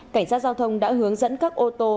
cảnh sát giao thông đã hướng dẫn các ô tô